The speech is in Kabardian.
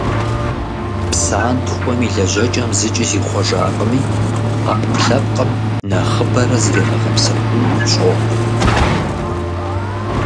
Псантхуэм и лэжьэкӀэм зыкӀи зихъуэжакъыми, Ӏэпкълъэпкъым нэхъыбэрэ зригъэгъэпсэхуну хущӀокъу.